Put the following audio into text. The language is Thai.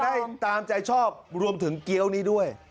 แต่ได้ตามใจชอบความรู้สึกร่วมถึงเกี๊ยวนี้ด้วย